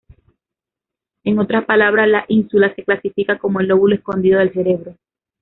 En otras palabras, la ínsula se clasifica como el lóbulo escondido del cerebro.